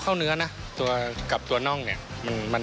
แล้วก็ไก่